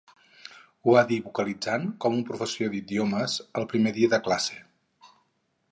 Ho va dir vocalitzant com un professor d'idiomes el primer dia de classe.